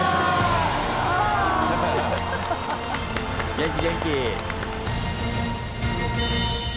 元気元気。